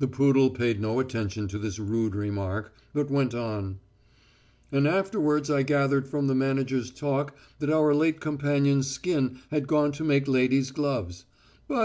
The poodle paid no attention to this rude remark, but went on: "And afterwards I gathered from the manager's talk that our late companion's skin had gone to make ladies' gloves. But